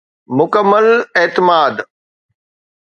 مڪمل اعتماد.